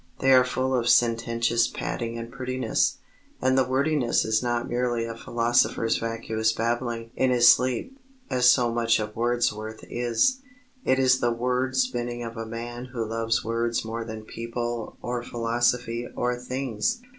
They are full of sententious padding and prettiness, and the wordiness is not merely a philosopher's vacuous babbling in his sleep, as so much of Wordsworth is; it is the word spinning of a man who loves words more than people, or philosophy, or things.